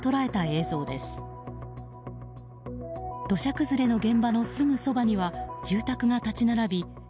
土砂崩れの現場のすぐそばには住宅が立ち並び